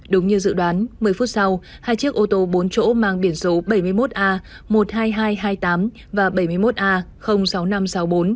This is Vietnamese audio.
đúng như dự đoán một mươi phút sau hai chiếc ô tô bốn chỗ mang biển số bảy mươi một a một mươi hai nghìn hai trăm hai mươi tám và bảy mươi một a sáu nghìn năm trăm sáu mươi bốn